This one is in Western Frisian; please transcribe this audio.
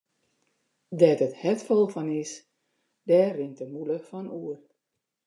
Dêr't it hert fol fan is, dêr rint de mûle fan oer.